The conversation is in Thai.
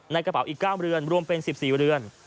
กระเป๋าอีก๙เรือนรวมเป็น๑๔เรือน